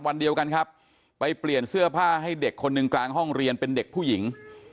วันเดียวกันครับไปเปลี่ยนเสื้อผ้าให้เด็กคนหนึ่งกลางห้องเรียนเป็นเด็กผู้หญิง